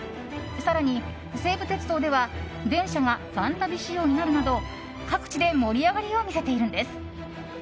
更に、西武鉄道では電車が「ファンタビ」仕様になるなど各地で盛り上がりを見せているんです。